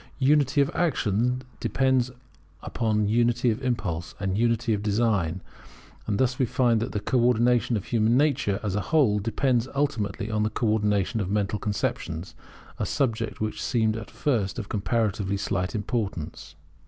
Unity of action depends upon unity of impulse, and unity of design; and thus we find that the co ordination of human nature, as a whole, depends ultimately upon the co ordination of mental conceptions, a subject which seemed at first of comparatively slight importance.